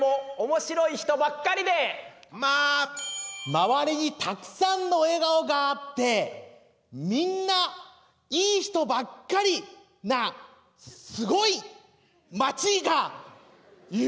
周りにたくさんの笑顔があってみんないい人ばっかりなすごい町がいっぱいあって。